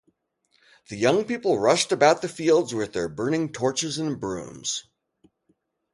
The young people rushed about the fields with their burning torches and brooms.